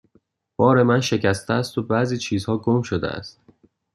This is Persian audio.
بار من شکسته است و بعضی چیزها گم شده است.